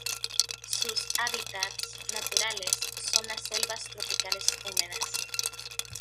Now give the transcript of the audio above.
Sus hábitats naturales son las selvas tropicales húmedas.